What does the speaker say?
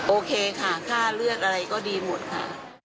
โอเคค่ะค่าเลือดอะไรก็ดีหมดค่ะ